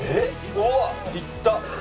うわっ！いった。